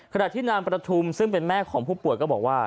ขณะที่นางประทุมซึ่งเป็นแม่ของผู้ป่วยก็บอกว่า